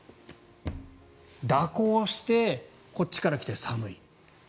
蛇行してこっちから来て、寒い。